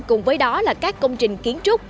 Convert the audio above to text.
cùng với đó là các công trình kiến trúc